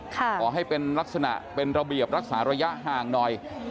ขอให้เป็นลักษณะเป็นระเบียบรักษาระยะห่างหน่อย